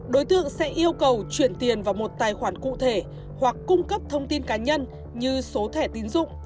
đối tượng sẽ yêu cầu chuyển tiền vào một tài khoản cụ thể hoặc cung cấp thông tin cá nhân như số thẻ tín dụng